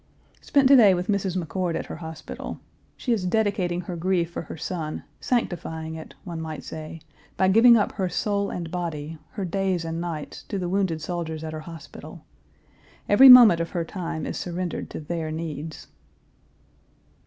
Spent to day with Mrs. McCord at her hospital. She is dedicating her grief for her son, sanctifying it, one might say, by giving up her soul and body, her days and nights, to the wounded soldiers at her hospital. Every moment of her time is surrendered to their needs.